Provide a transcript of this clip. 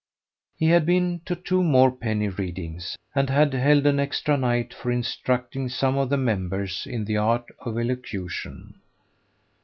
He had been to two more penny readings, and had held an extra night for instructing some of the members in the art of elocution.